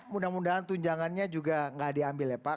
mudah mudahan tunjangannya juga nggak diambil ya pak